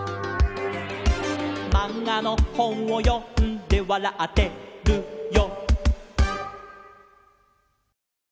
「まんがのほんをよんでわらってるよ」